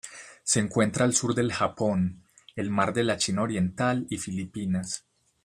Se encuentra al sur del Japón, el Mar de la China Oriental y Filipinas.